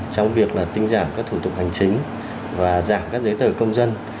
trong việc tinh giảm các thủ tục hành chính và giảm các giấy tờ công dân